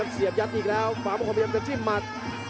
เสียบยัดอีกแล้วฝากมันกำลังจะจิ้มหมัด